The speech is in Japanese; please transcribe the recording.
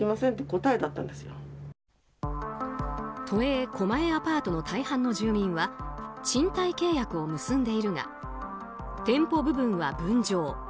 都営狛江アパートの大半の住民は賃貸契約を結んでいるが店舗部分は分譲。